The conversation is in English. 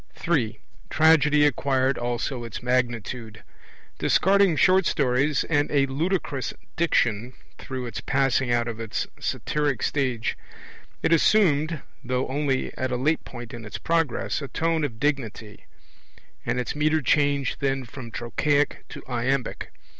(3) Tragedy acquired also its magnitude. Discarding short stories and a ludicrous diction, through its passing out of its satyric stage, it assumed, though only at a late point in its progress, a tone of dignity; and its metre changed then from trochaic to iambic.